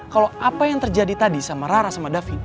kalo apa yang terjadi tadi sama rara sama davin